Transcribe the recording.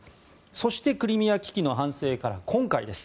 そしてクリミア危機の反省から今回です。